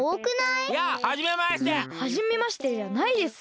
いやはじめましてじゃないです！